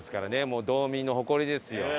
もう道民の誇りですよ。